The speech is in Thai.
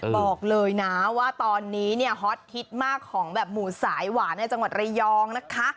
บอกเลยนะว่าตอนนี้เนี่ยฮอตฮิตมากของแบบหมูสายหวานในจังหวัดระยองนะคะ